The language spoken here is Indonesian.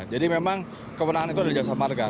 jadi memang kebenaran itu ada di jasa marga